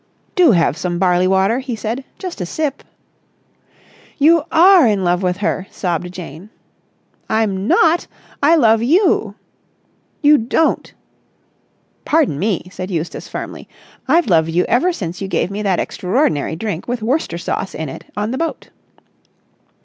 "Do have some barley water," he said. "Just a sip!" "You are in love with her!" sobbed Jane. "I'm not! I love you!" "You don't!" "Pardon me!" said Eustace firmly. "I've loved you ever since you gave me that extraordinary drink with Worcester sauce in it on the boat."